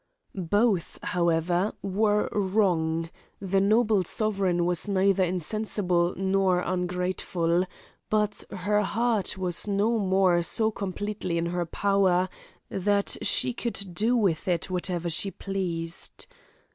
Both, however, were wrong; the noble sovereign was neither insensible nor ungrateful; but her heart was no more so completely in her power, that she could do with it whatever she pleased.